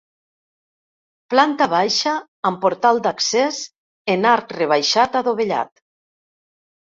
Planta baixa amb portal d'accés en arc rebaixat adovellat.